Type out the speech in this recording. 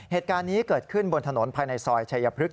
เหตุการณ์นี้เกิดขึ้นบนถนนภายในซอยชัยพฤกษ